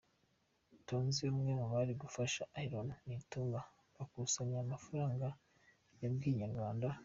Tonzi umwe mu bari gufasha Aaron Nitunga bakusanya aya mafaranga yabwiye Inyarwanda.